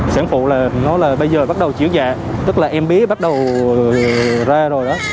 sản phụ nói là bây giờ bắt đầu chiếu dạ tức là em bé bắt đầu ra rồi đó